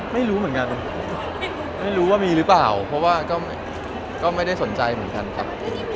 ไม่รู้เหมือนกันไม่รู้ว่ามีหรือเปล่าเพราะว่าก็ไม่ได้สนใจเหมือนกันครับ